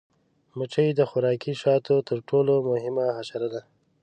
مچمچۍ د خوراکي شاتو تر ټولو مهمه حشره ده